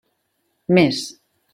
Més.